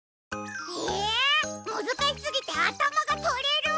えむずかしすぎてあたまがとれる！